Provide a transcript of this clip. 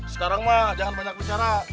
sekarang mah jangan banyak bicara